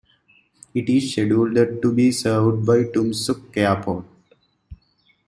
It is scheduled to be served by Tumxuk Airport.